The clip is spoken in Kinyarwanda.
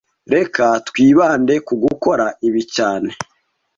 Reka twibande ku gukora ibi cyane